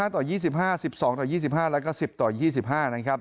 ต่อ๒๕๑๒ต่อ๒๕แล้วก็๑๐ต่อ๒๕นะครับ